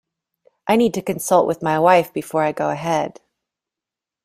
I need to consult with my wife before I go ahead.